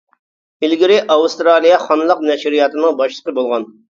ئىلگىرى ئاۋسترالىيە خانلىق نەشرىياتىنىڭ باشلىقى بولغان.